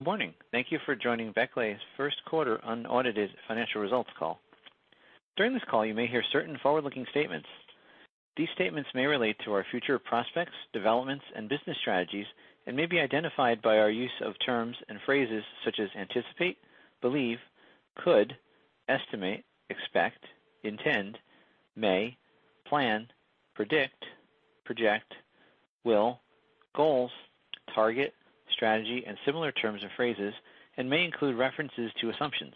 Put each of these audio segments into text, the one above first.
Good morning. Thank you for joining Becle's first quarter unaudited financial results call. During this call, you may hear certain forward-looking statements. These statements may relate to our future prospects, developments, and business strategies, and may be identified by our use of terms and phrases such as anticipate, believe, could, estimate, expect, intend, may, plan, predict, project, will, goals, target, strategy, and similar terms and phrases, and may include references to assumptions.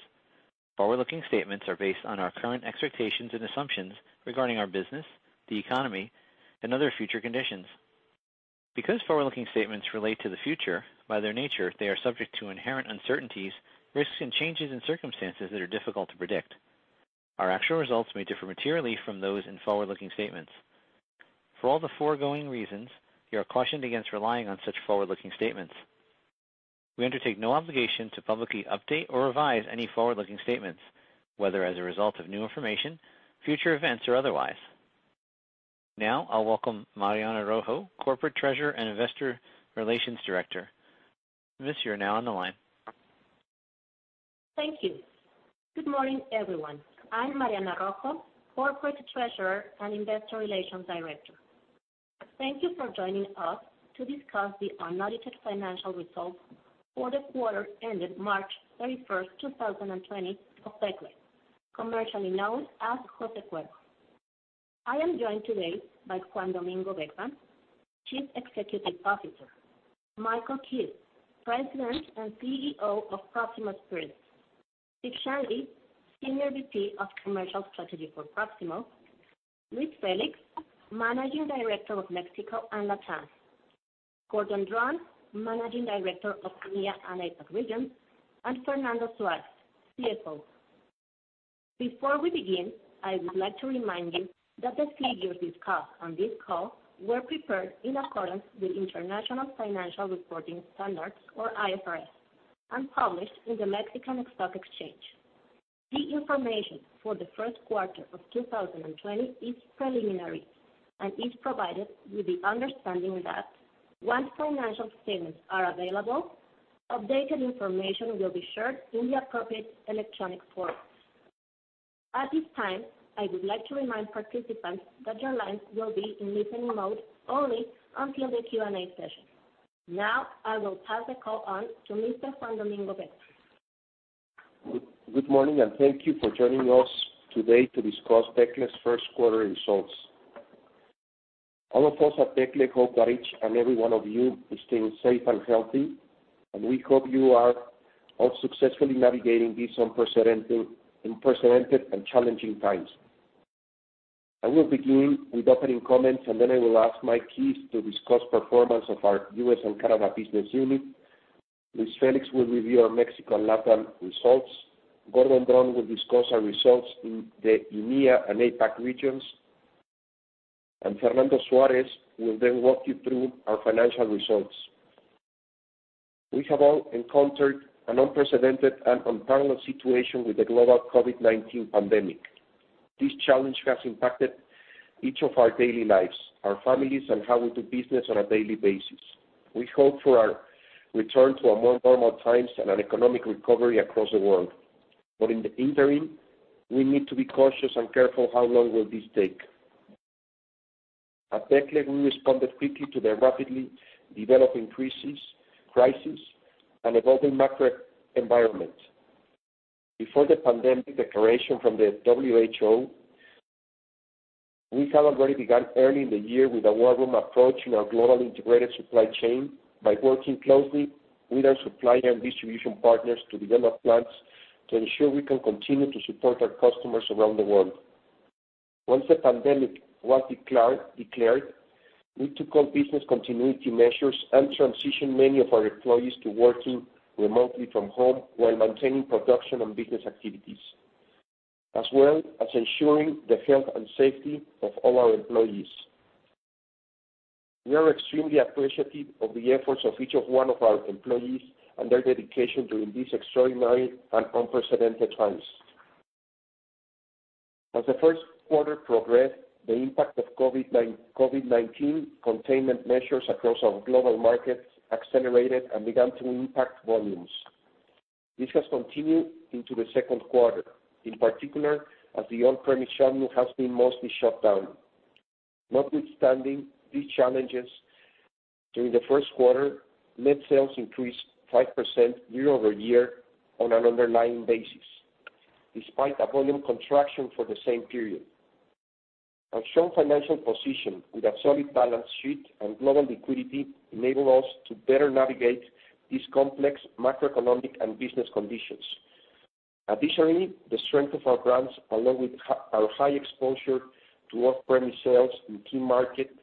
Forward-looking statements are based on our current expectations and assumptions regarding our business, the economy, and other future conditions. Because forward-looking statements relate to the future, by their nature, they are subject to inherent uncertainties, risks, and changes in circumstances that are difficult to predict. Our actual results may differ materially from those in forward-looking statements. For all the foregoing reasons, you are cautioned against relying on such forward-looking statements. We undertake no obligation to publicly update or revise any forward-looking statements, whether as a result of new information, future events, or otherwise. Now, I'll welcome Mariana Rojo, Corporate Treasurer and Investor Relations Director. Miss, you're now on the line. Thank you. Good morning, everyone. I'm Mariana Rojo, Corporate Treasurer and Investor Relations Director. Thank you for joining us to discuss the unaudited financial results for the quarter ended March 31st, 2020, of Becle, commercially known as José Cuervo. I am joined today by Juan Domingo Beckmann, Chief Executive Officer, Michael Keyes, President and CEO of Proximo Spirits, Steve Shanley, Senior VP of Commercial Strategy for Proximo, Luis Félix, Managing Director of Mexico and Latam, Gordon Dron, Managing Director of MEA and APAC Region, and Fernando Suárez, CFO. Before we begin, I would like to remind you that the figures discussed on this call were prepared in accordance with International Financial Reporting Standards, or IFRS, and published in the Mexican Stock Exchange. The information for the first quarter of 2020 is preliminary and is provided with the understanding that once financial statements are available, updated information will be shared in the appropriate electronic form. At this time, I would like to remind participants that your lines will be in listening mode only until the Q&A session. Now, I will pass the call on to Mr. Juan Domingo Beckmann. Good morning, and thank you for joining us today to discuss Becle's first quarter results. All of us at Becle hope that each and every one of you is staying safe and healthy, and we hope you are all successfully navigating these unprecedented and challenging times. I will begin with opening comments, and then I will ask Mike Keyes to discuss the performance of our U.S. and Canada business unit. Luis Félix will review our Mexico and Latam results. Gordon Dron will discuss our results in the MEA and APAC regions, and Fernando Suárez will then walk you through our financial results. We have all encountered an unprecedented and unparalleled situation with the global COVID-19 pandemic. This challenge has impacted each of our daily lives, our families, and how we do business on a daily basis. We hope for our return to more normal times and an economic recovery across the world, but in the interim, we need to be cautious and careful how long will this take? At Becle, we responded quickly to the rapidly developing crises and evolving macro environment. Before the pandemic declaration from the WHO, we had already begun early in the year with a war room approach in our global integrated supply chain by working closely with our supplier and distribution partners to develop plans to ensure we can continue to support our customers around the world. Once the pandemic was declared, we took on business continuity measures and transitioned many of our employees to working remotely from home while maintaining production and business activities, as well as ensuring the health and safety of all our employees. We are extremely appreciative of the efforts of each and one of our employees and their dedication during these extraordinary and unprecedented times. As the first quarter progressed, the impact of COVID-19 containment measures across our global markets accelerated and began to impact volumes. This has continued into the second quarter, in particular as the on-premise shop has been mostly shut down. Notwithstanding these challenges, during the first quarter, net sales increased 5% year-over-year on an underlying basis, despite a volume contraction for the same period. Our strong financial position with a solid balance sheet and global liquidity enabled us to better navigate these complex macroeconomic and business conditions. Additionally, the strength of our brands, along with our high exposure to off-premise sales in key markets,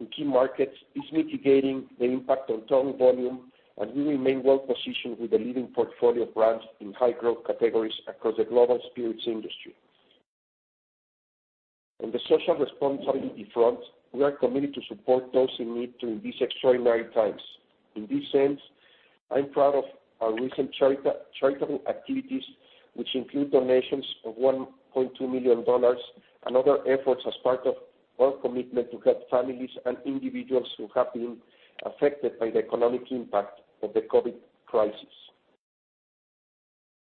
is mitigating the impact on on-premise volume, and we remain well-positioned with the leading portfolio brands in high-growth categories across the global spirits industry. On the social responsibility front, we are committed to support those in need during these extraordinary times. In this sense, I'm proud of our recent charitable activities, which include donations of $1.2 million and other efforts as part of our commitment to help families and individuals who have been affected by the economic impact of the COVID crisis.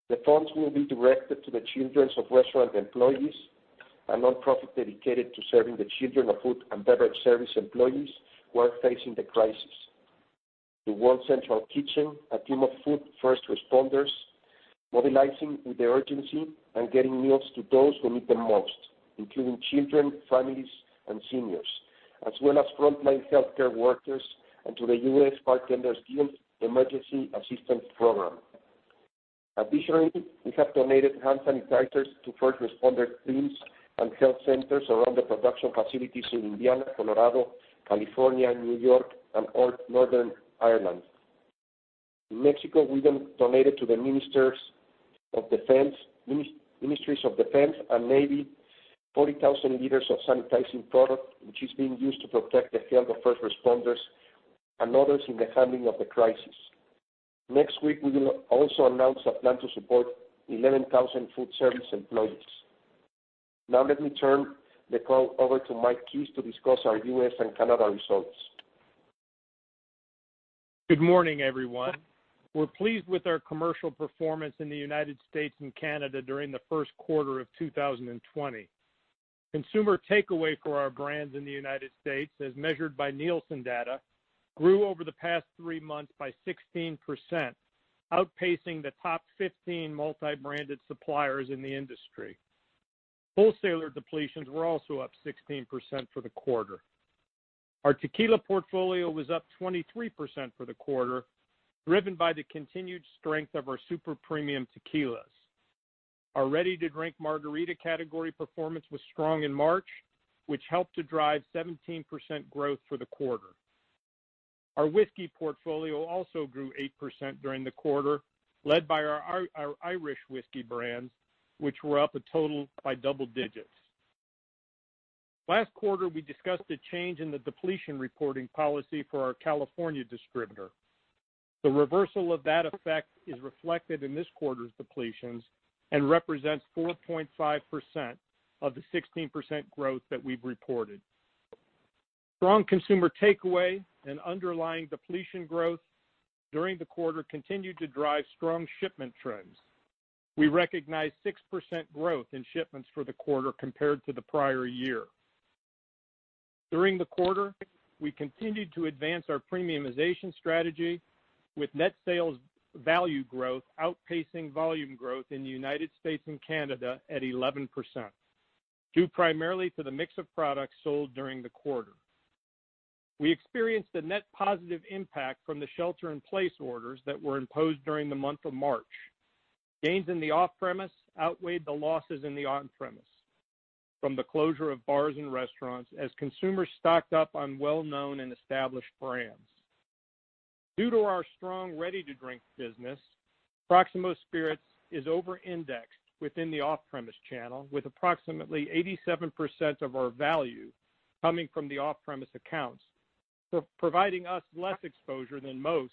The funds will be directed to the children of restaurant employees and nonprofits dedicated to serving the children of food and beverage service employees who are facing the crisis. The World Central Kitchen, a team of food first responders, mobilizing with urgency and getting meals to those who need them most, including children, families, and seniors, as well as frontline healthcare workers and to the United States Bartenders' Guild Emergency Assistance Program. Additionally, we have donated hand sanitizers to first responder teams and health centers around the production facilities in Indiana, Colorado, California, New York, and Northern Ireland. In Mexico, we donated to the Ministers of Defense and Navy 40,000 liters of sanitizing product, which is being used to protect the field of first responders and others in the handling of the crisis. Next week, we will also announce a plan to support 11,000 food service employees. Now, let me turn the call over to Mike Keyes to discuss our U.S. and Canada results. Good morning, everyone. We're pleased with our commercial performance in the United States and Canada during the first quarter of 2020. Consumer takeaway for our brands in the United States, as measured by Nielsen data, grew over the past three months by 16%, outpacing the top 15 multi-branded suppliers in the industry. Wholesaler depletions were also up 16% for the quarter. Our tequila portfolio was up 23% for the quarter, driven by the continued strength of our super premium tequilas. Our ready-to-drink margarita category performance was strong in March, which helped to drive 17% growth for the quarter. Our whiskey portfolio also grew 8% during the quarter, led by our Irish whiskey brands, which were up a total by double digits. Last quarter, we discussed a change in the depletion reporting policy for our California distributor. The reversal of that effect is reflected in this quarter's depletions and represents 4.5% of the 16% growth that we've reported. Strong consumer takeaway and underlying depletion growth during the quarter continued to drive strong shipment trends. We recognize 6% growth in shipments for the quarter compared to the prior year. During the quarter, we continued to advance our premiumization strategy, with net sales value growth outpacing volume growth in the United States and Canada at 11%, due primarily to the mix of products sold during the quarter. We experienced a net positive impact from the shelter-in-place orders that were imposed during the month of March. Gains in the off-premise outweighed the losses in the on-premise from the closure of bars and restaurants as consumers stocked up on well-known and established brands. Due to our strong ready-to-drink business, Proximo Spirits is over-indexed within the off-premise channel, with approximately 87% of our value coming from the off-premise accounts, providing us less exposure than most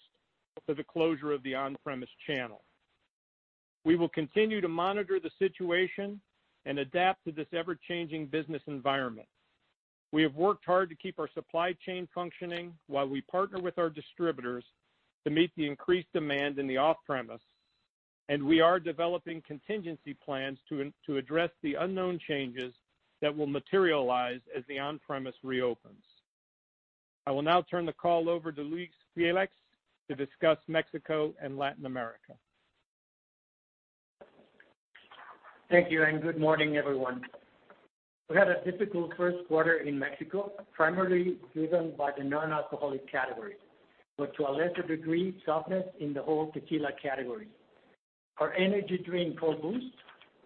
with the closure of the on-premise channel. We will continue to monitor the situation and adapt to this ever-changing business environment. We have worked hard to keep our supply chain functioning while we partner with our distributors to meet the increased demand in the off-premise, and we are developing contingency plans to address the unknown changes that will materialize as the on-premise reopens. I will now turn the call over to Luis Félix to discuss Mexico and Latin America. Thank you, and good morning, everyone. We had a difficult first quarter in Mexico, primarily driven by the non-alcoholic category, but to a lesser degree, softness in the whole tequila category. Our energy drink, called B:oost,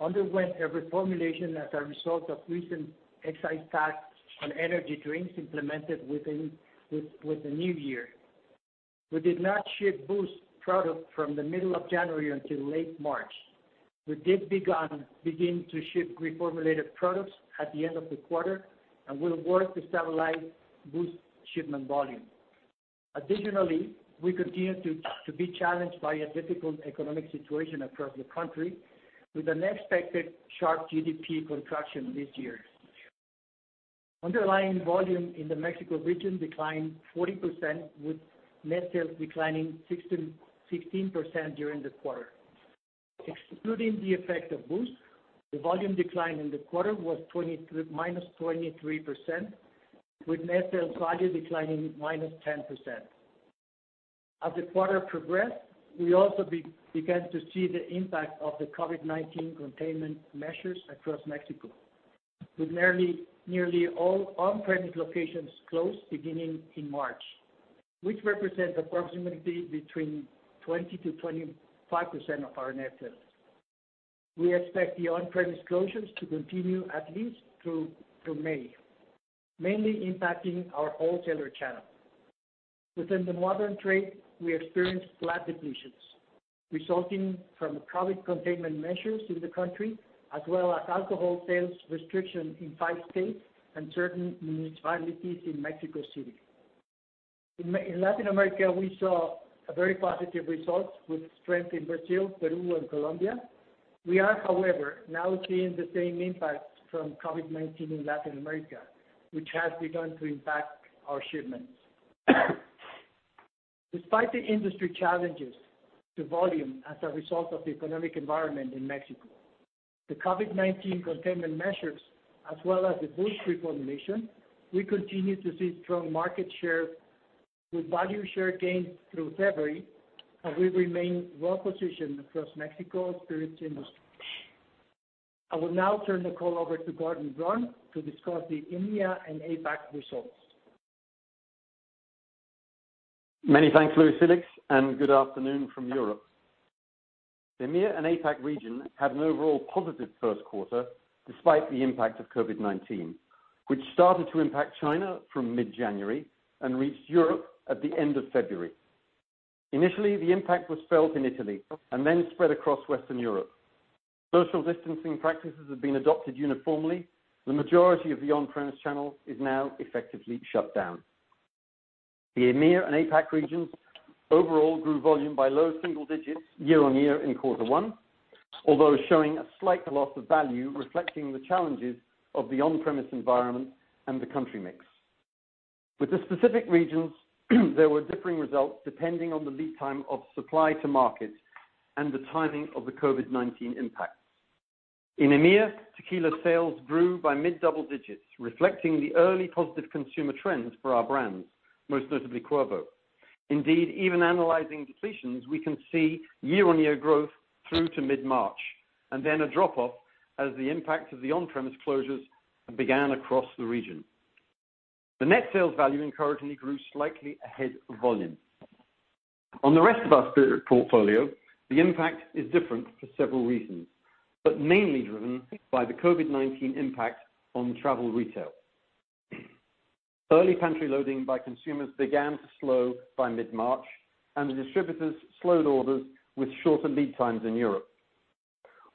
underwent a reformulation as a result of recent excise tax on energy drinks implemented with the new year. We did not ship B:oost product from the middle of January until late March. We did begin to ship reformulated products at the end of the quarter, and we'll work to stabilize B:oost shipment volume. Additionally, we continue to be challenged by a difficult economic situation across the country with an expected sharp GDP contraction this year. Underlying volume in the Mexico region declined 40%, with net sales declining 16% during the quarter. Excluding the effect of B:oost, the volume decline in the quarter was -23%, with net sales value declining -10%. As the quarter progressed, we also began to see the impact of the COVID-19 containment measures across Mexico, with nearly all on-premise locations closed beginning in March, which represents approximately between 20%-25% of our net sales. We expect the on-premise closures to continue at least through May, mainly impacting our wholesaler channel. Within the modern trade, we experienced flat depletions resulting from COVID containment measures in the country, as well as alcohol sales restrictions in five states and certain municipalities in Mexico City. In Latin America, we saw a very positive result with strength in Brazil, Peru, and Colombia. We are, however, now seeing the same impact from COVID-19 in Latin America, which has begun to impact our shipments. Despite the industry challenges to volume as a result of the economic environment in Mexico, the COVID-19 containment measures, as well as the B:oost reformulation, we continue to see strong market share with value share gains through February, and we remain well-positioned across Mexico's spirits industry. I will now turn the call over to Gordon Dron to discuss the MEA and APAC results. Many thanks, Luis Félix, and good afternoon from Europe. The MEA and APAC region had an overall positive first quarter despite the impact of COVID-19, which started to impact China from mid-January and reached Europe at the end of February. Initially, the impact was felt in Italy and then spread across Western Europe. Social distancing practices have been adopted uniformly, and the majority of the on-premise channel is now effectively shut down. The MEA and APAC regions overall grew volume by low single digits year on year in quarter one, although showing a slight loss of value reflecting the challenges of the on-premise environment and the country mix. With the specific regions, there were differing results depending on the lead time of supply to market and the timing of the COVID-19 impacts. In MEA, tequila sales grew by mid-double digits, reflecting the early positive consumer trends for our brands, most notably Cuervo. Indeed, even analyzing depletions, we can see year-on-year growth through to mid-March and then a drop-off as the impact of the on-premise closures began across the region. The net sales value encouragingly grew slightly ahead of volume. On the rest of our portfolio, the impact is different for several reasons, but mainly driven by the COVID-19 impact on travel retail. Early pantry loading by consumers began to slow by mid-March, and the distributors slowed orders with shorter lead times in Europe.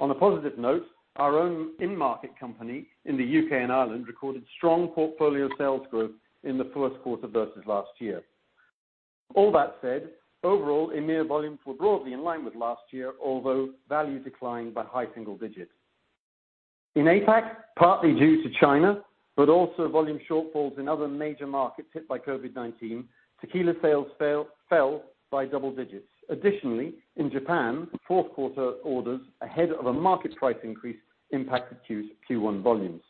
On a positive note, our own in-market company in the U.K. and Ireland recorded strong portfolio sales growth in the first quarter versus last year. All that said, overall, MEA volumes were broadly in line with last year, although value declined by high single digits. In APAC, partly due to China, but also volume shortfalls in other major markets hit by COVID-19, tequila sales fell by double digits. Additionally, in Japan, fourth quarter orders ahead of a market price increase impacted Q1 volumes.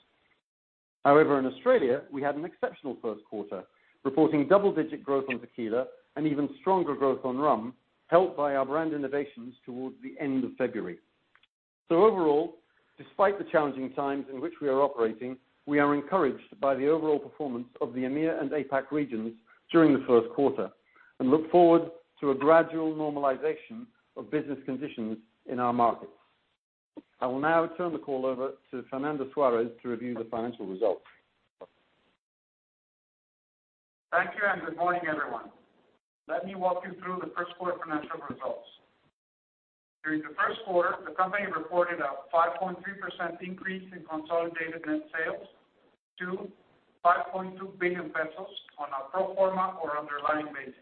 However, in Australia, we had an exceptional first quarter, reporting double-digit growth on tequila and even stronger growth on rum, helped by our brand innovations towards the end of February. So overall, despite the challenging times in which we are operating, we are encouraged by the overall performance of the MEA and APAC regions during the first quarter and look forward to a gradual normalization of business conditions in our markets. I will now turn the call over to Fernando Suárez to review the financial results. Thank you, and good morning, everyone. Let me walk you through the first quarter financial results. During the first quarter, the company reported a 5.3% increase in consolidated net sales to 5.2 billion pesos on a pro forma or underlying basis.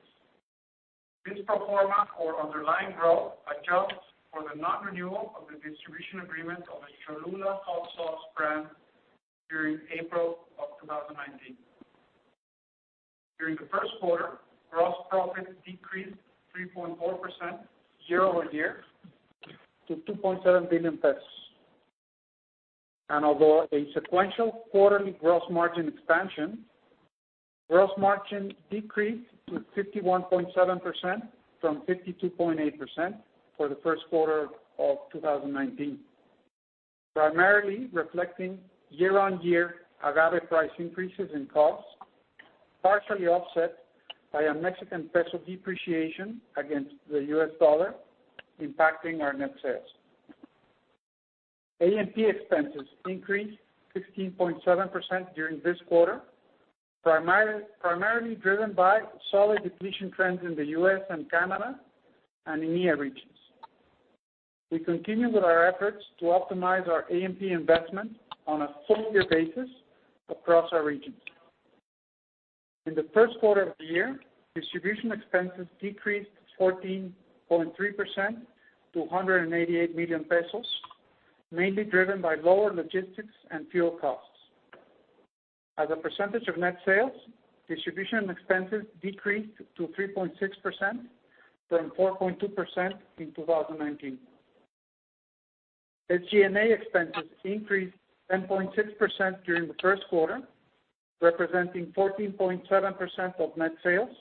This pro forma or underlying growth adjusts for the non-renewal of the distribution agreement of the Cholula Hot Sauce brand during April of 2019. During the first quarter, gross profit decreased 3.4% year-over-year to 2.7 billion, and although a sequential quarterly gross margin expansion, gross margin decreased to 51.7% from 52.8% for the first quarter of 2019, primarily reflecting year-on-year agave price increases in costs, partially offset by a Mexican peso depreciation against the U.S. dollar impacting our net sales. A&P expenses increased 15.7% during this quarter, primarily driven by solid depletion trends in the U.S. and Canada and MEA regions. We continue with our efforts to optimize our A&P investment on a full-year basis across our regions. In the first quarter of the year, distribution expenses decreased 14.3% to 188 million pesos, mainly driven by lower logistics and fuel costs. As a percentage of net sales, distribution expenses decreased to 3.6% from 4.2% in 2019. SG&A expenses increased 10.6% during the first quarter, representing 14.7% of net sales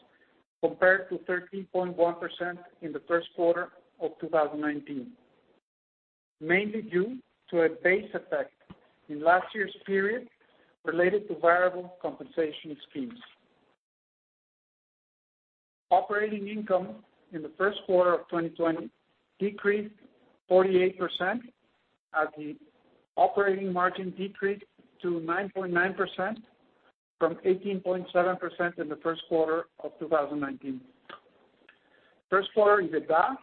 compared to 13.1% in the first quarter of 2019, mainly due to a base effect in last year's period related to variable compensation schemes. Operating income in the first quarter of 2020 decreased 48%, as the operating margin decreased to 9.9% from 18.7% in the first quarter of 2019. First quarter EBITDA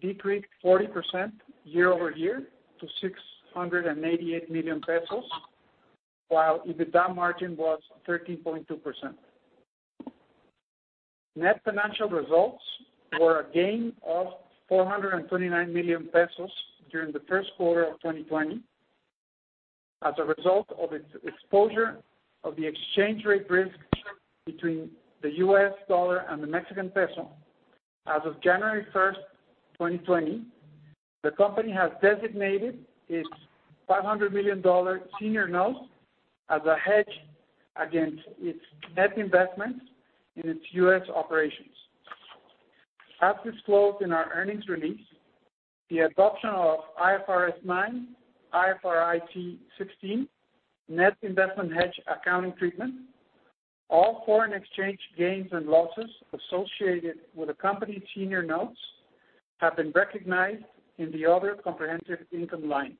decreased 40% year-over-year to 688 million pesos, while EBITDA margin was 13.2%. Net financial results were a gain of 429 million pesos during the first quarter of 2020. As a result of its exposure to the exchange rate risk between the U.S. dollar and the Mexican peso, as of January 1st, 2020, the company has designated its $500 million senior notes as a hedge against its net investment in its U.S. operations. As disclosed in our earnings release, the adoption of IFRS 9, IFRIC 16, Net Investment Hedge Accounting Treatment, all foreign exchange gains and losses associated with the company's senior notes have been recognized in the other comprehensive income line.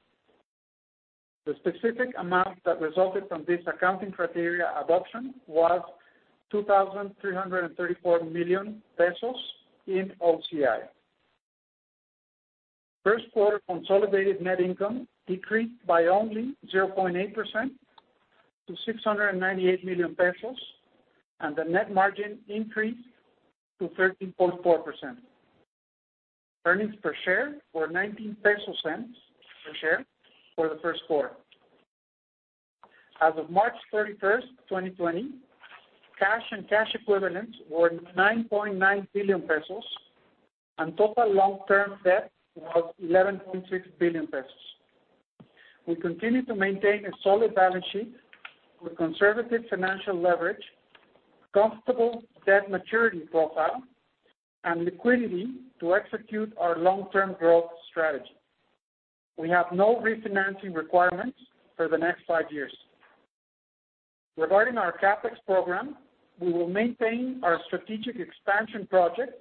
The specific amount that resulted from this accounting criteria adoption was 2,334 million pesos in OCI. First quarter consolidated net income decreased by only 0.8% to 698 million pesos, and the net margin increased to 13.4%. Earnings per share were 19 pesos per share for the first quarter. As of March 31st, 2020, cash and cash equivalents were 9.9 billion pesos, and total long-term debt was 11.6 billion pesos. We continue to maintain a solid balance sheet with conservative financial leverage, comfortable debt maturity profile, and liquidity to execute our long-term growth strategy. We have no refinancing requirements for the next five years. Regarding our CAPEX program, we will maintain our strategic expansion projects,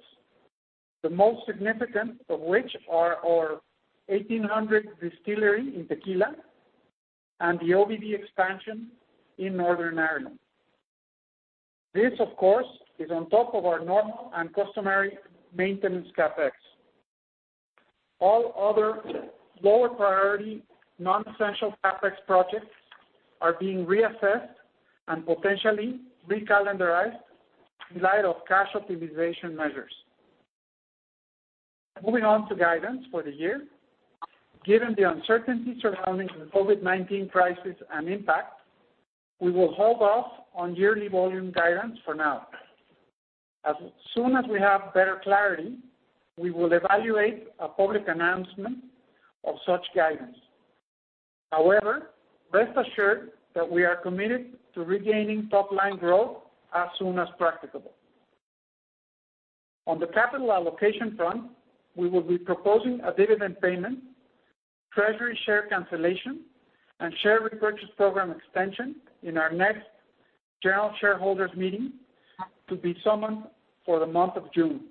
the most significant of which are our 1800 distillery in Tequila and the OBD expansion in Northern Ireland. This, of course, is on top of our normal and customary maintenance CAPEX. All other lower priority non-essential CAPEX projects are being reassessed and potentially recalendarized in light of cash optimization measures. Moving on to guidance for the year, given the uncertainty surrounding the COVID-19 crisis and impact, we will hold off on yearly volume guidance for now. As soon as we have better clarity, we will evaluate a public announcement of such guidance. However, rest assured that we are committed to regaining top-line growth as soon as practicable. On the capital allocation front, we will be proposing a dividend payment, treasury share cancellation, and share repurchase program extension in our next general shareholders meeting to be summoned for the month of June.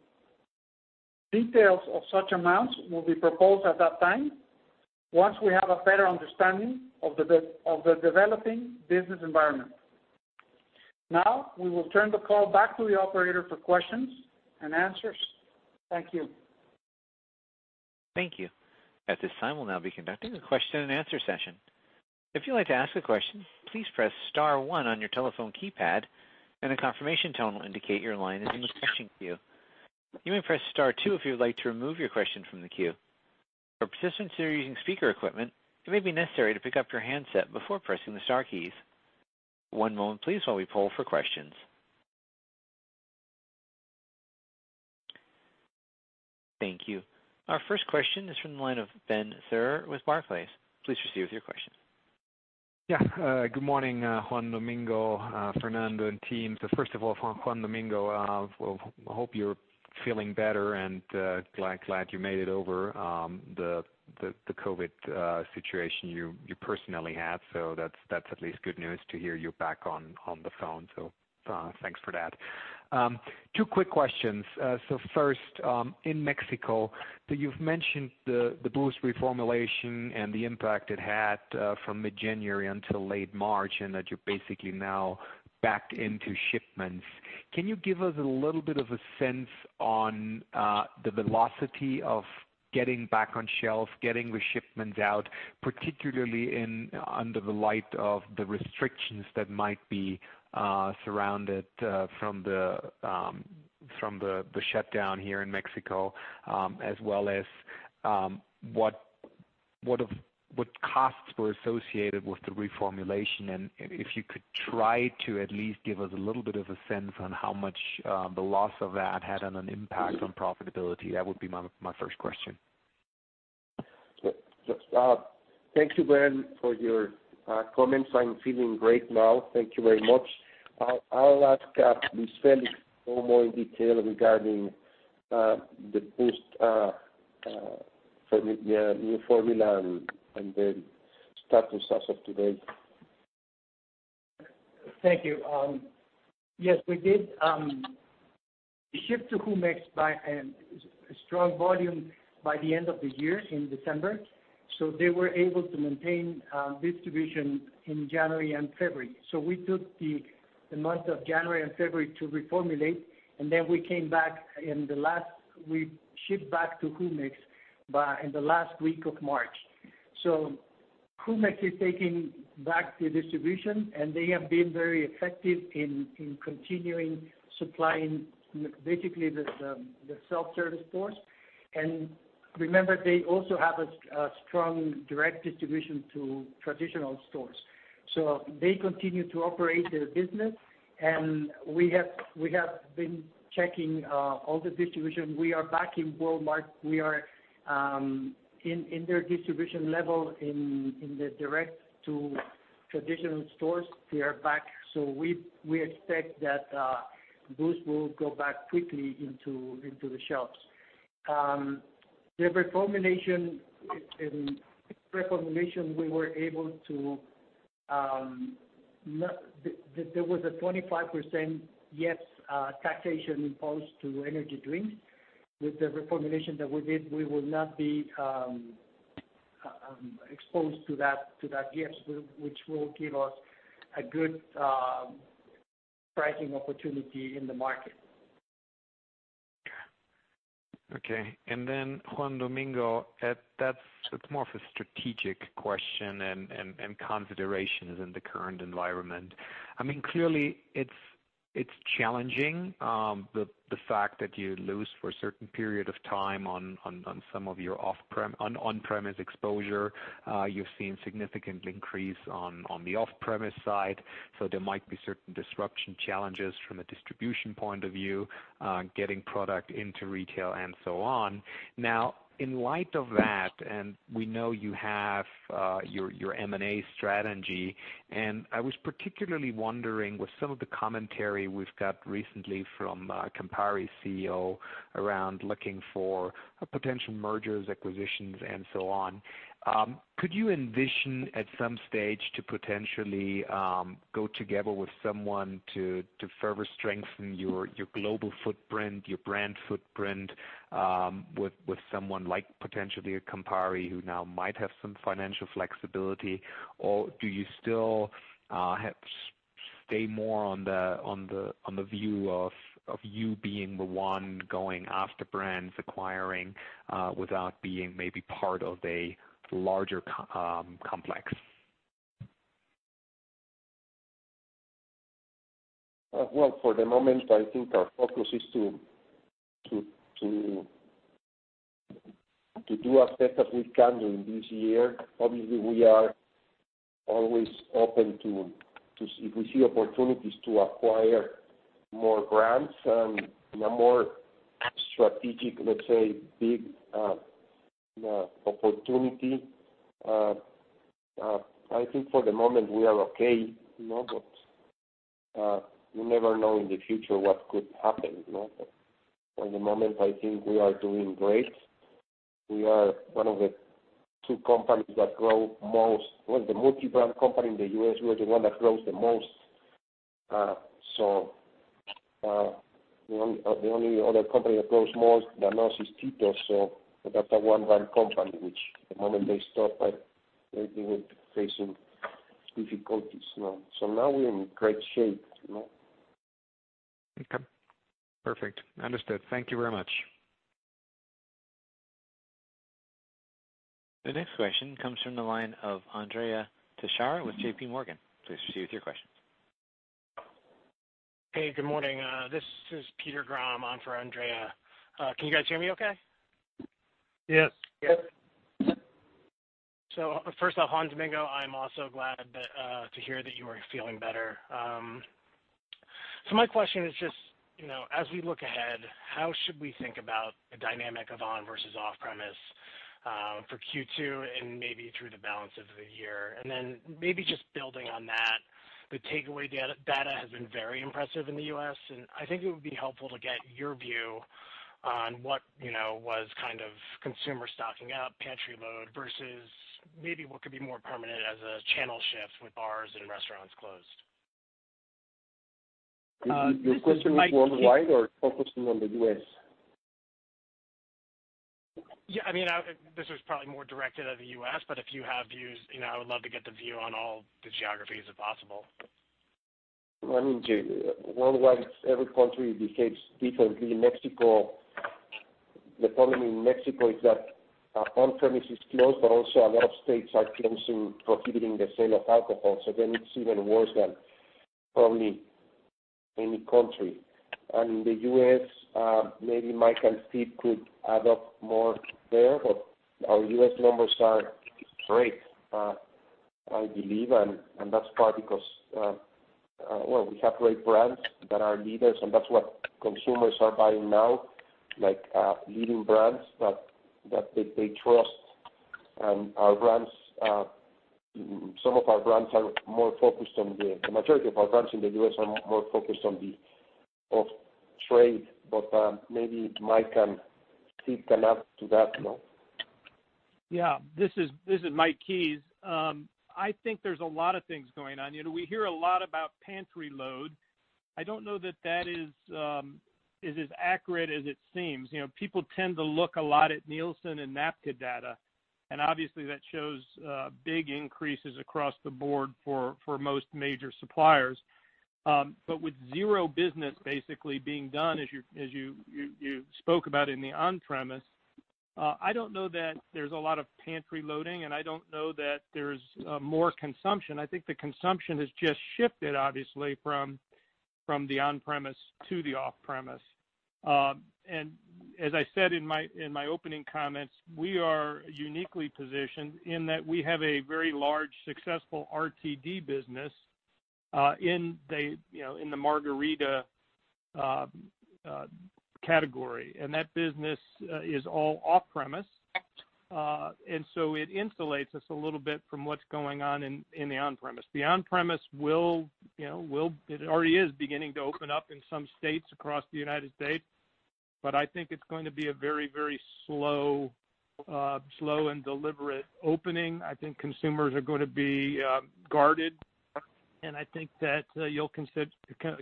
Details of such amounts will be proposed at that time once we have a better understanding of the developing business environment. Now, we will turn the call back to the operator for questions and answers. Thank you. Thank you. At this time, we'll now be conducting a question-and-answer session. If you'd like to ask a question, please press Star one on your telephone keypad, and a confirmation tone will indicate your line is in the question queue. You may press Star two if you'd like to remove your question from the queue. For participants who are using speaker equipment, it may be necessary to pick up your handset before pressing the Star keys. One moment, please, while we pull for questions. Thank you. Our first question is from the line of Ben Theurer with Barclays. Please proceed with your question. Yeah. Good morning, Juan Domingo, Fernando, and team. So first of all, Juan Domingo, I hope you're feeling better, and glad you made it over the COVID situation you personally had. So that's at least good news to hear you're back on the phone, so thanks for that. Two quick questions. So first, in Mexico, you've mentioned the B:oost reformulation and the impact it had from mid-January until late March and that you're basically now backed into shipments. Can you give us a little bit of a sense on the velocity of getting back on shelf, getting the shipments out, particularly under the light of the restrictions that might be surrounded from the shutdown here in Mexico, as well as what costs were associated with the reformulation? If you could try to at least give us a little bit of a sense on how much the loss of that had an impact on profitability, that would be my first question. Thank you, Ben, for your comments. I'm feeling great now. Thank you very much. I'll ask Luis Félix a little more in detail regarding the B:oost reformula and the status as of today. Thank you. Yes, we did shift to Jumex by a strong volume by the end of the year in December, so they were able to maintain distribution in January and February. So we took the month of January and February to reformulate, and then we came back in the last week we shipped back to Jumex in the last week of March. So Jumex is taking back the distribution, and they have been very effective in continuing supplying basically the self-service stores. And remember, they also have a strong direct distribution to traditional stores. So they continue to operate their business, and we have been checking all the distribution. We are back in Walmart. We are in their distribution level in the direct to traditional stores. They are back, so we expect that B:oost will go back quickly into the shelves. The reformulation. There was a 25% IEPS imposed on energy drinks. With the reformulation that we did, we will not be exposed to that IEPS, which will give us a good pricing opportunity in the market. Okay. And then, Juan Domingo, that's more of a strategic question and considerations in the current environment. I mean, clearly, it's challenging the fact that you lose for a certain period of time on some of your on-premise exposure. You've seen significant increase on the off-premise side, so there might be certain disruption challenges from a distribution point of view, getting product into retail, and so on. Now, in light of that, and we know you have your M&A strategy, and I was particularly wondering with some of the commentary we've got recently from Campari's CEO around looking for potential mergers, acquisitions, and so on, could you envision at some stage to potentially go together with someone to further strengthen your global footprint, your brand footprint with someone like potentially a Campari who now might have some financial flexibility? Or do you still stay more on the view of you being the one going after brands, acquiring without being maybe part of a larger complex? For the moment, I think our focus is to do as best as we can during this year. Obviously, we are always open to if we see opportunities to acquire more brands and a more strategic, let's say, big opportunity. I think for the moment, we are okay, but you never know in the future what could happen. For the moment, I think we are doing great. We are one of the two companies that grow most. We're the multi-brand company in the U.S. We're the one that grows the most. The only other company that grows more than us is Tito's, so that's a one-brand company, which at the moment they stopped, but they're dealing with facing difficulties. Now we're in great shape. Okay. Perfect. Understood. Thank you very much. The next question comes from the line of Andrea Teixeira with JPMorgan. Please proceed with your questions. Hey, good morning. This is Peter Graham on for Andrea. Can you guys hear me okay? Yes. Yes, so first off, Juan Domingo, I'm also glad to hear that you are feeling better. So my question is just, as we look ahead, how should we think about the dynamic of on-premise versus off-premise for Q2 and maybe through the balance of the year? And then maybe just building on that, the takeaway data has been very impressive in the U.S., and I think it would be helpful to get your view on what was kind of consumer stocking up, pantry load, versus maybe what could be more permanent as a channel shift with bars and restaurants closed. Your question was worldwide or focusing on the U.S.? Yeah. I mean, this is probably more directed at the U.S., but if you have views, I would love to get the view on all the geographies if possible. I mean, worldwide, every country behaves differently. Mexico, the problem in Mexico is that on-premise is closed, but also a lot of states are closing, prohibiting the sale of alcohol. So then it's even worse than probably any country, and in the U.S., maybe Mike and Steve could add up more there, but our U.S. numbers are great, I believe, and that's part because, well, we have great brands that are leaders, and that's what consumers are buying now, like leading brands that they trust. And some of our brands are more focused on the majority of our brands in the U.S. are more focused on the off-premise, but maybe Mike and Steve can add to that. Yeah. This is Mike Keyes. I think there's a lot of things going on. We hear a lot about pantry load. I don't know that that is as accurate as it seems. People tend to look a lot at Nielsen and IRI data, and obviously, that shows big increases across the board for most major suppliers. But with zero business basically being done, as you spoke about in the on-premise, I don't know that there's a lot of pantry loading, and I don't know that there's more consumption. I think the consumption has just shifted, obviously, from the on-premise to the off-premise. And as I said in my opening comments, we are uniquely positioned in that we have a very large successful RTD business in the margarita category, and that business is all off-premise. And so it insulates us a little bit from what's going on in the on-premise. The on-premise will, it already is beginning to open up in some states across the United States, but I think it's going to be a very, very slow and deliberate opening. I think consumers are going to be guarded, and I think that you'll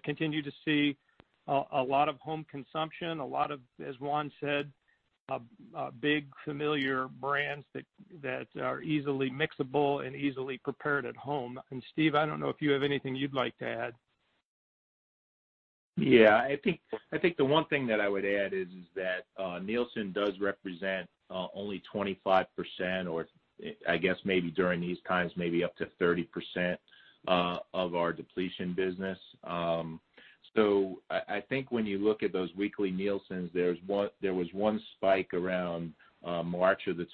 continue to see a lot of home consumption, a lot of, as Juan said, big familiar brands that are easily mixable and easily prepared at home, and Steve, I don't know if you have anything you'd like to add. Yeah. I think the one thing that I would add is that Nielsen does represent only 25%, or I guess maybe during these times, maybe up to 30% of our depletions business. So I think when you look at those weekly Nielsen's, there was one spike around March of the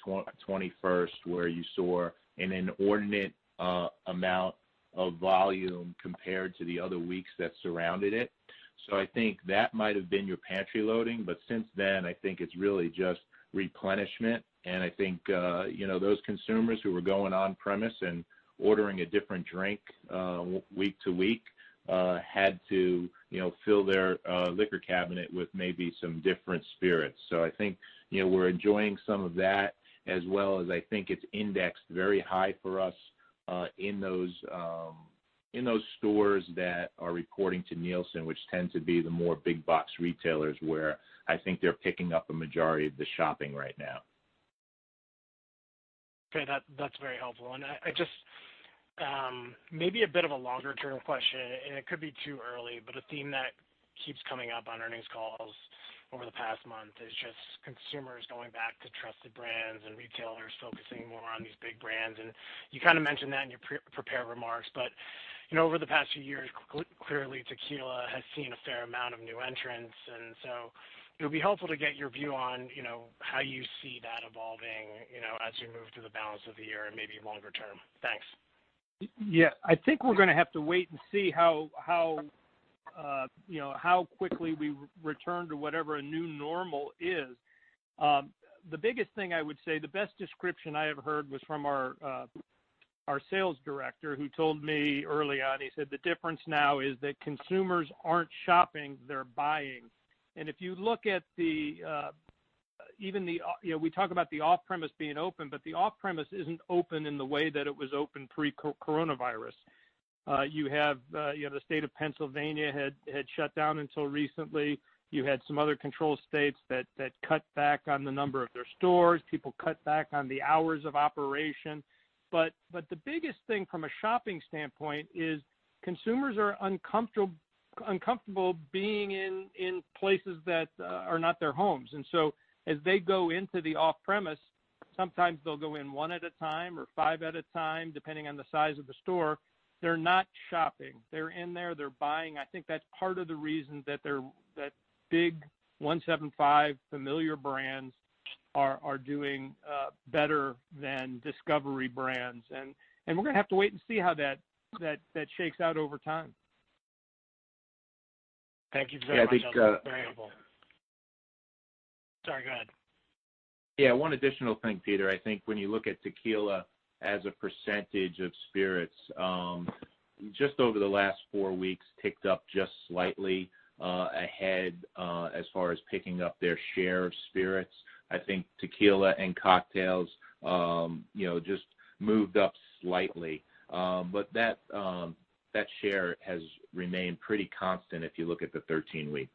21st where you saw an inordinate amount of volume compared to the other weeks that surrounded it. So I think that might have been your pantry loading, but since then, I think it's really just replenishment. And I think those consumers who were going on-premise and ordering a different drink week to week had to fill their liquor cabinet with maybe some different spirits. So I think we're enjoying some of that, as well as I think it's indexed very high for us in those stores that are reporting to Nielsen, which tend to be the more big-box retailers where I think they're picking up a majority of the shopping right now. Okay. That's very helpful. And maybe a bit of a longer-term question, and it could be too early, but a theme that keeps coming up on earnings calls over the past month is just consumers going back to trusted brands and retailers focusing more on these big brands. And you kind of mentioned that in your prepared remarks, but over the past few years, clearly, tequila has seen a fair amount of new entrants. And so it would be helpful to get your view on how you see that evolving as we move through the balance of the year and maybe longer-term. Thanks. Yeah. I think we're going to have to wait and see how quickly we return to whatever a new normal is. The biggest thing I would say, the best description I have heard was from our sales director who told me early on. He said, "The difference now is that consumers aren't shopping. They're buying." And if you look at even the we talk about the off-premise being open, but the off-premise isn't open in the way that it was open pre-coronavirus. You have the state of Pennsylvania had shut down until recently. You had some other control states that cut back on the number of their stores. People cut back on the hours of operation. But the biggest thing from a shopping standpoint is consumers are uncomfortable being in places that are not their homes. And so as they go into the off-premise, sometimes they'll go in one at a time or five at a time, depending on the size of the store. They're not shopping. They're in there. They're buying. I think that's part of the reason that big 1.75 familiar brands are doing better than discovery brands. And we're going to have to wait and see how that shakes out over time. Thank you for that. Yeah. I think. That's very helpful. Sorry. Go ahead. Yeah. One additional thing, Peter. I think when you look at tequila as a percentage of spirits, just over the last four weeks, ticked up just slightly ahead as far as picking up their share of spirits. I think tequila and cocktails just moved up slightly, but that share has remained pretty constant if you look at the 13-week.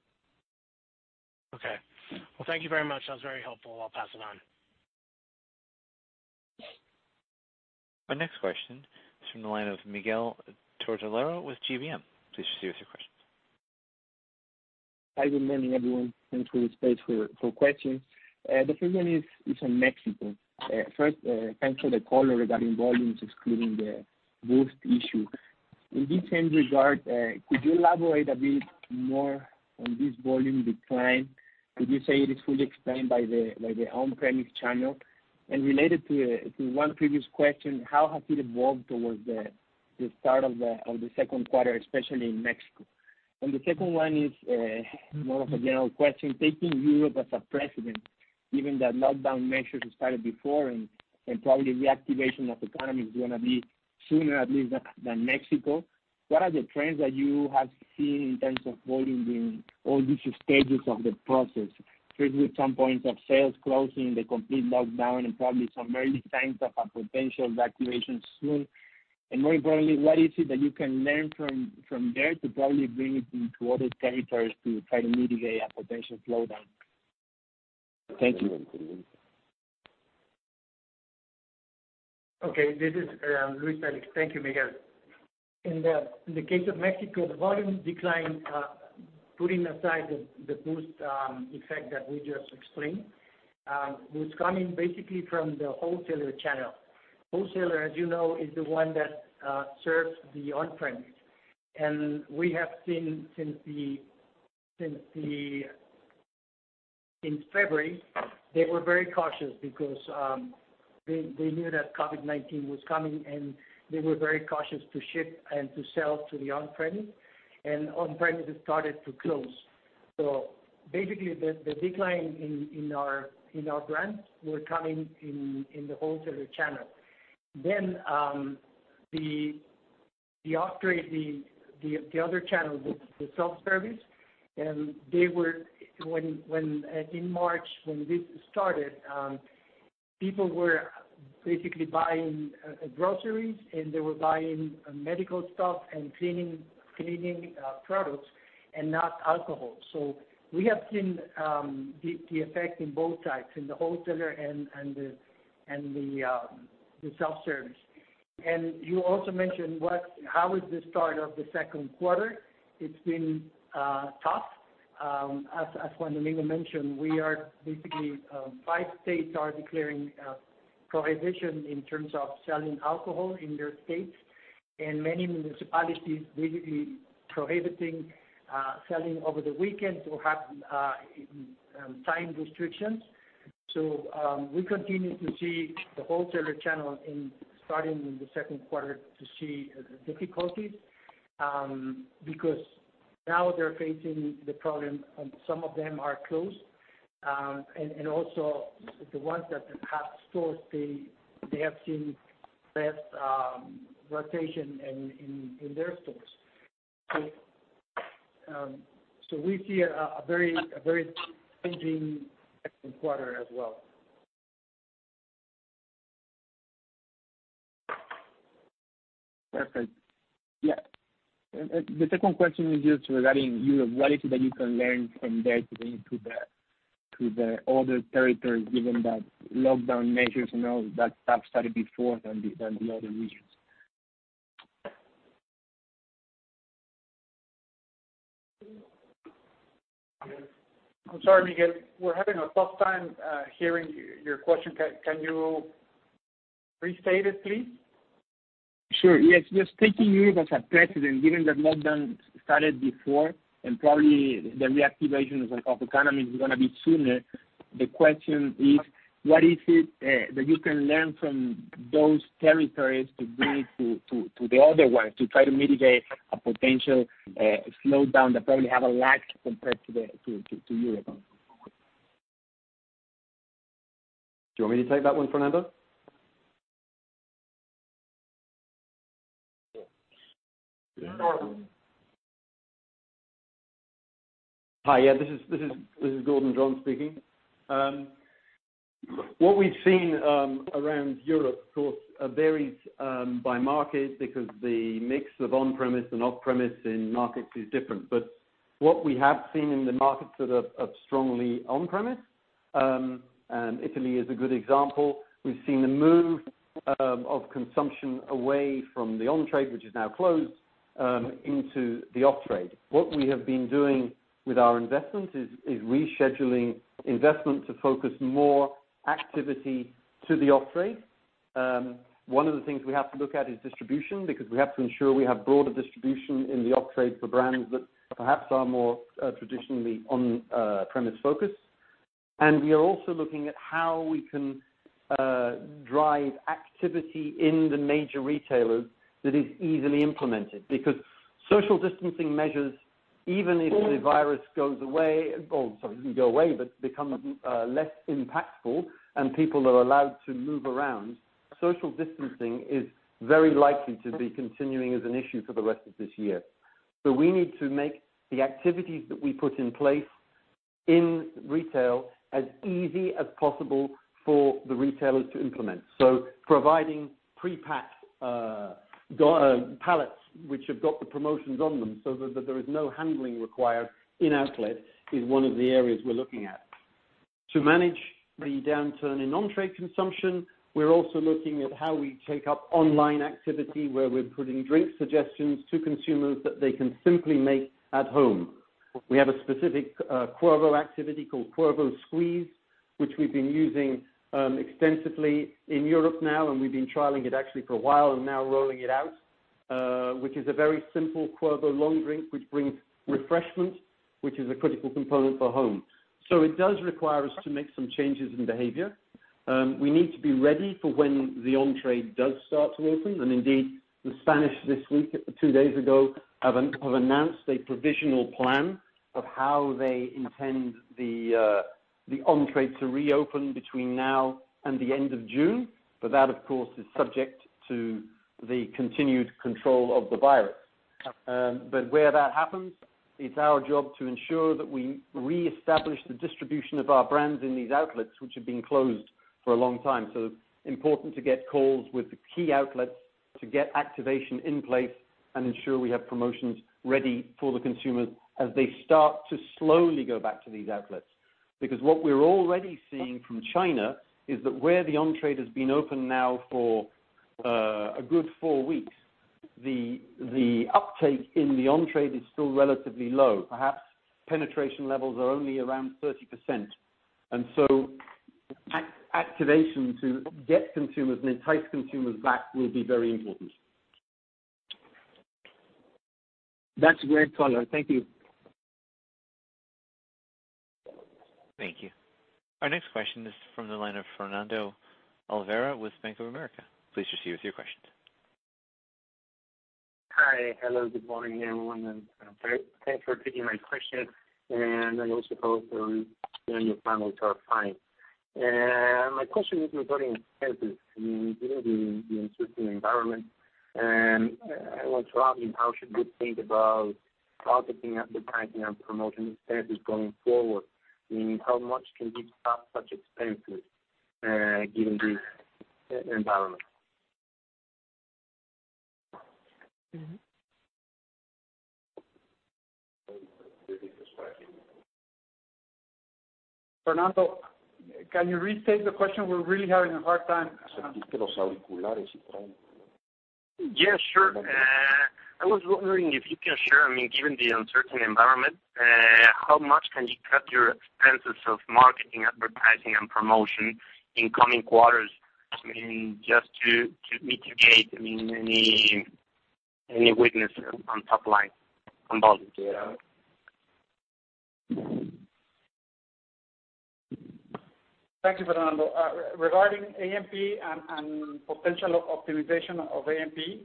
Okay. Well, thank you very much. That was very helpful. I'll pass it on. Our next question is from the line of Miguel Tortolero with GBM. Please proceed with your questions. Hi. Good morning, everyone. Thanks for the space for questions. The first one is from Mexico. First, thanks for the call regarding volumes, excluding the B:oost issue. In this same regard, could you elaborate a bit more on this volume decline? Could you say it is fully explained by the on-premise channel? And related to one previous question, how has it evolved towards the start of the second quarter, especially in Mexico? And the second one is more of a general question. Taking Europe as a precedent, given that lockdown measures started before and probably the activation of economy is going to be sooner at least than Mexico, what are the trends that you have seen in terms of volume during all these stages of the process? Starting with some points of sale closing, the complete lockdown, and probably some early signs of a potential activation soon? And more importantly, what is it that you can learn from there to probably bring it into other territories to try to mitigate a potential slowdown? Thank you. Okay. This is Luis Félix. Thank you, Miguel. In the case of Mexico, the volume decline, putting aside the B:oost effect that we just explained, was coming basically from the wholesaler channel. Wholesaler, as you know, is the one that serves the on-premise. And we have seen since in February, they were very cautious because they knew that COVID-19 was coming, and they were very cautious to ship and to sell to the on-premise, and on-premises started to close. So basically, the decline in our brands were coming in the wholesaler channel. Then the other channel, the self-service, and when in March when this started, people were basically buying groceries, and they were buying medical stuff and cleaning products and not alcohol. So, we have seen the effect in both sides, in the wholesaler and the self-service. And you also mentioned, how is the start of the second quarter? It's been tough. As Juan Domingo mentioned, we are basically five states are declaring prohibition in terms of selling alcohol in their states, and many municipalities basically prohibiting selling over the weekend or have time restrictions. So, we continue to see the wholesaler channel starting in the second quarter to see difficulties because now they're facing the problem. Some of them are closed, and also the ones that have stores, they have seen less rotation in their stores. So, we see a very changing second quarter as well. Perfect. Yeah. The second question is just regarding your ability that you can learn from there to bring it to all the territories given that lockdown measures and all that stuff started before than the other regions? I'm sorry, Miguel. We're having a tough time hearing your question. Can you restate it, please? Sure. Yes. Just taking Europe as a precedent, given that lockdown started before and probably the reactivation of economy is going to be sooner, the question is, what is it that you can learn from those territories to bring it to the other ones to try to mitigate a potential slowdown that probably has a lag compared to Europe? Do you want me to take that one, Fernando? Hi. Yeah. This is Gordon Dron speaking. What we've seen around Europe, of course, varies by market because the mix of on-premise and off-premise in markets is different. But what we have seen in the markets that are strongly on-premise, Italy is a good example. We've seen the move of consumption away from the on-trade, which is now closed, into the off-trade. What we have been doing with our investments is rescheduling investment to focus more activity to the off-trade. One of the things we have to look at is distribution because we have to ensure we have broader distribution in the off-trade for brands that perhaps are more traditionally on-premise focused. And we are also looking at how we can drive activity in the major retailers that is easily implemented because social distancing measures, even if the virus goes away or sorry, doesn't go away, but becomes less impactful and people are allowed to move around, social distancing is very likely to be continuing as an issue for the rest of this year. So we need to make the activities that we put in place in retail as easy as possible for the retailers to implement. So providing pre-packed pallets, which have got the promotions on them so that there is no handling required in outlet, is one of the areas we're looking at. To manage the downturn in on-trade consumption, we're also looking at how we take up online activity where we're putting drink suggestions to consumers that they can simply make at home. We have a specific Cuervo activity called Cuervo Squeeze, which we've been using extensively in Europe now, and we've been trialing it actually for a while and now rolling it out, which is a very simple Cuervo long drink, which brings refreshment, which is a critical component for home. So it does require us to make some changes in behavior. We need to be ready for when the on-trade does start to open. And indeed, the Spanish this week, two days ago, have announced a provisional plan of how they intend the on-trade to reopen between now and the end of June. But that, of course, is subject to the continued control of the virus. But where that happens, it's our job to ensure that we reestablish the distribution of our brands in these outlets, which have been closed for a long time. So important to get calls with the key outlets to get activation in place and ensure we have promotions ready for the consumers as they start to slowly go back to these outlets. Because what we're already seeing from China is that where the on-trade has been open now for a good four weeks, the uptake in the on-trade is still relatively low. Perhaps penetration levels are only around 30%. And so activation to get consumers and entice consumers back will be very important. That's great, Gordon. Thank you. Thank you. Our next question is from the line of Fernando Olvera with Bank of America. Please proceed with your questions. Hi. Hello. Good morning, everyone. Thanks for taking my question, and I also thought your panel was fine. My question is regarding expenses. Given the existing environment, I want to ask you how should we think about targeting advertising and promotion expenses going forward? How much can we stop such expenses given the environment? Fernando, can you restate the question? We're really having a hard time. Yes. Sure. I was wondering if you can share, I mean, given the uncertain environment, how much can you cut your expenses of marketing, advertising, and promotion in coming quarters just to mitigate any weakness on top line on volume? Thank you, Fernando. Regarding A&P and potential optimization of A&P,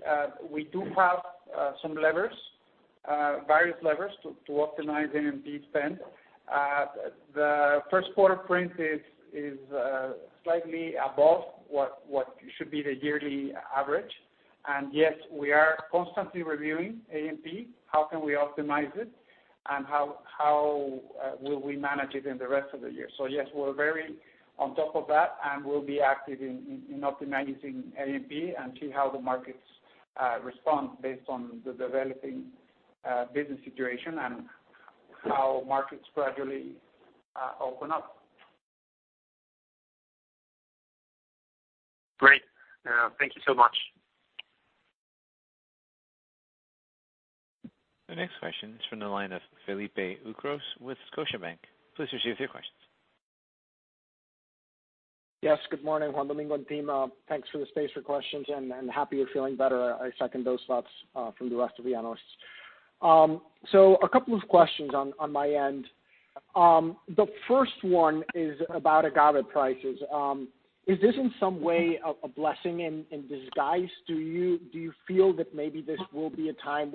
we do have some levers, various levers to optimize A&P spend. The first quarter print is slightly above what should be the yearly average, and yes, we are constantly reviewing A&P, how can we optimize it, and how will we manage it in the rest of the year, so yes, we're very on top of that, and we'll be active in optimizing A&P and see how the markets respond based on the developing business situation and how markets gradually open up. Great. Thank you so much. The next question is from the line of Felipe Ucros with Scotiabank. Please proceed with your questions. Yes. Good morning, Juan Domingo and team. Thanks for the space for questions, and happy you're feeling better. I second those thoughts from the rest of the analysts. So a couple of questions on my end. The first one is about agave prices. Is this in some way a blessing in disguise? Do you feel that maybe this will be a time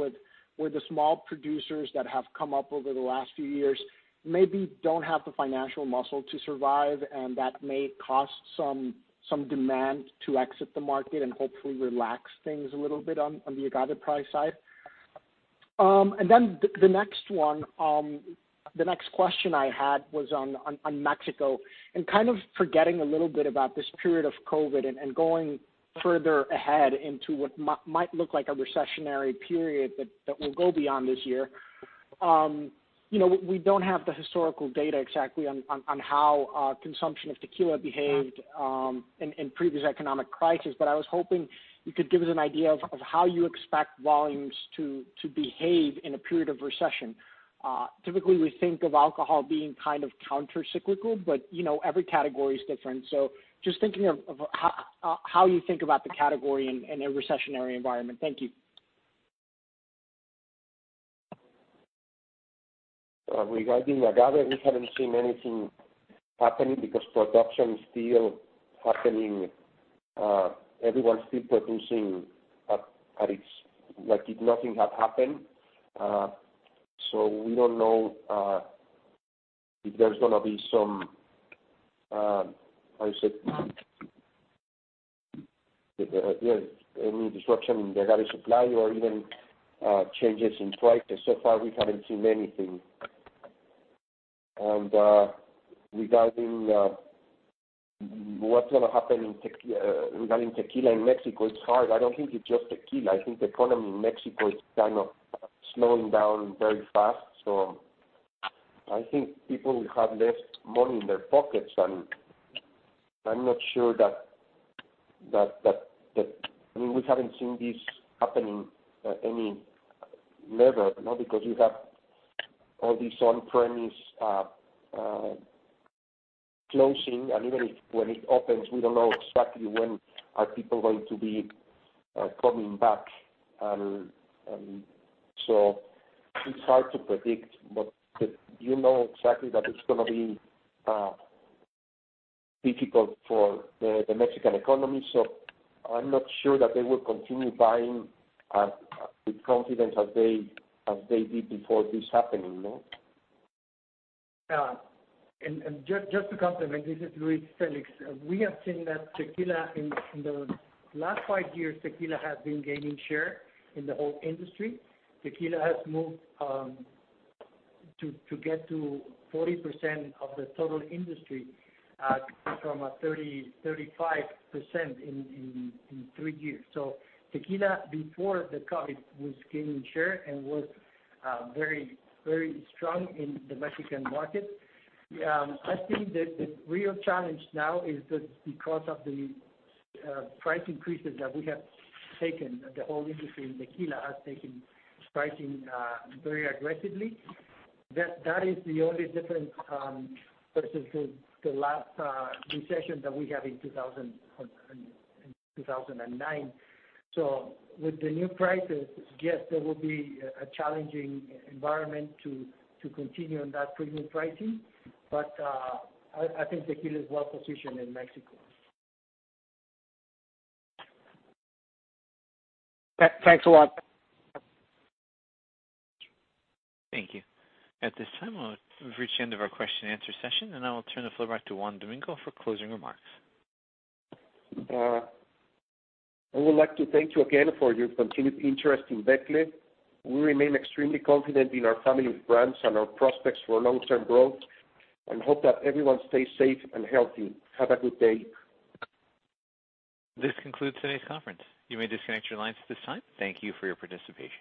where the small producers that have come up over the last few years maybe don't have the financial muscle to survive, and that may cost some demand to exit the market and hopefully relax things a little bit on the agave price side? And then the next one, the next question I had was on Mexico. And kind of forgetting a little bit about this period of COVID and going further ahead into what might look like a recessionary period that will go beyond this year, we don't have the historical data exactly on how consumption of tequila behaved in previous economic crises, but I was hoping you could give us an idea of how you expect volumes to behave in a period of recession. Typically, we think of alcohol being kind of countercyclical, but every category is different. So just thinking of how you think about the category in a recessionary environment. Thank you. Regarding agave, we haven't seen anything happening because production is still happening. Everyone's still producing like if nothing had happened. So we don't know if there's going to be some, how you say, any disruption in the agave supply or even changes in prices. So far, we haven't seen anything. And regarding what's going to happen regarding tequila in Mexico, it's hard. I don't think it's just tequila. I think the economy in Mexico is kind of slowing down very fast. So I think people will have less money in their pockets. And I'm not sure that I mean, we haven't seen this happening anywhere because you have all these on-premise closings. And even when it opens, we don't know exactly when are people going to be coming back. And so it's hard to predict, but you know exactly that it's going to be difficult for the Mexican economy. I'm not sure that they will continue buying with confidence as they did before this happening. Just to complement, this is Luis Félix. We have seen that tequila in the last five years, tequila has been gaining share in the whole industry. tequila has moved to get to 40% of the total industry from 35% in three years. tequila before the COVID was gaining share and was very strong in the Mexican market. I think the real challenge now is that because of the price increases that we have taken, the whole industry in tequila has taken pricing very aggressively. That is the only difference versus the last recession that we had in 2009. With the new prices, yes, there will be a challenging environment to continue on that premium pricing, but I think tequila is well positioned in Mexico. Thanks a lot. Thank you. At this time, we've reached the end of our question-and-answer session, and I will turn the floor back to Juan Domingo for closing remarks. I would like to thank you again for your continued interest in Becle. We remain extremely confident in our family of brands and our prospects for long-term growth and hope that everyone stays safe and healthy. Have a good day. This concludes today's conference. You may disconnect your lines at this time. Thank you for your participation.